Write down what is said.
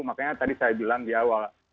makanya tadi saya bilang di awal